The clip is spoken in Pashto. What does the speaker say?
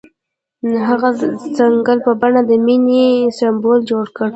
هغه د ځنګل په بڼه د مینې سمبول جوړ کړ.